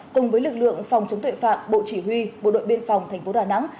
cùng với lực lượng phòng chống tuệ phạm bộ chỉ huy bộ đội biên phòng tp đà nẵng